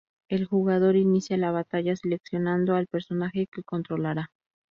El jugador inicia la batalla seleccionando al personaje que controlará.